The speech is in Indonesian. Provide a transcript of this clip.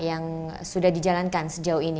yang sudah dijalankan sejauh ini